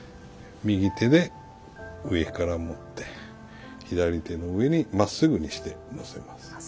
右手で上から持って左手の上にまっすぐにしてのせます。